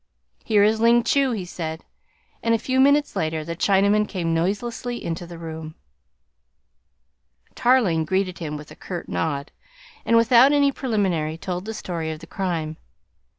"Here is Ling Chu," he said, and a few minutes later the Chinaman came noiselessly into the room. Tarling greeted him with a curt nod, and without any preliminary told the story of the crime.